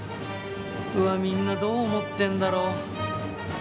うわみんなどう思ってんだろう？